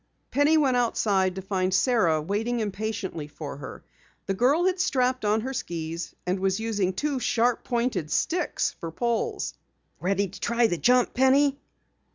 Penny went outside to find Sara waiting impatiently for her. The girl had strapped on her skis, and was using two sharp pointed sticks for poles. "Ready to try the jump, Penny?"